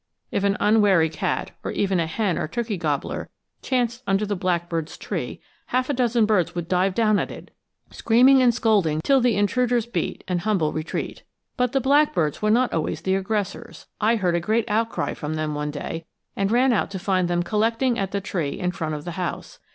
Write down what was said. If an unwary cat, or even a hen or turkey gobbler, chanced under the blackbirds' tree, half a dozen birds would dive down at it, screaming and scolding till the intruders beat an humble retreat. But the blackbirds were not always the aggressors. I heard a great outcry from them one day, and ran out to find them collecting at the tree in front of the house.